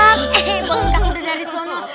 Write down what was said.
eh bengkak udah dari sana